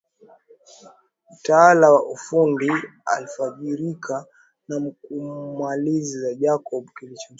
Mtaalamu wa ufundi alifarijika na kumuuliza Jacob kilichomsaidia kutokana na taarifa ya Magreth